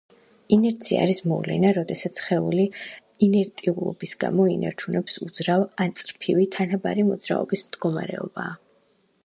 ინერცია არის მოვლენა, როდესაც სხეული ინერტიულობის გამო ინარჩუნებს უძრავ ან წრფივი თანაბარი მოძრაობის მდგომარეობაა.